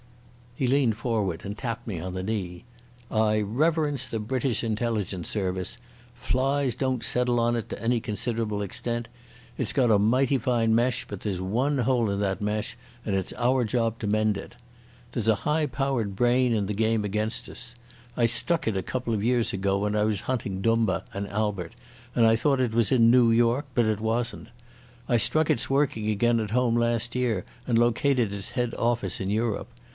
He leaned forward and tapped me on the knee. "I reverence the British Intelligence Service. Flies don't settle on it to any considerable extent. It's got a mighty fine mesh, but there's one hole in that mesh, and it's our job to mend it. There's a high powered brain in the game against us. I struck it a couple of years ago when I was hunting Dumba and Albert, and I thought it was in Noo York, but it wasn't. I struck its working again at home last year and located its head office in Europe.